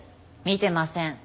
見てません。